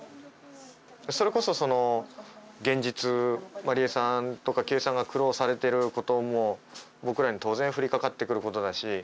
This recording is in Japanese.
それこそその現実麻梨絵さんとか圭さんが苦労されてることも僕らに当然降りかかってくることだし。